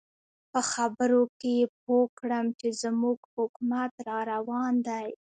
په خبرو کې یې پوه کړم چې زموږ حکومت را روان دی.